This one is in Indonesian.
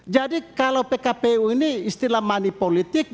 jadi kalau pkpu ini istilah money politics